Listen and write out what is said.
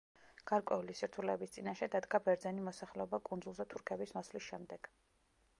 გარკვეული სირთულეების წინაშე დადგა ბერძენი მოსახლეობა კუნძულზე თურქების მოსვლის შემდეგ.